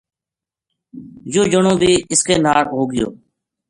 یوہ جنو بی اس کے ناڑ ہو گیو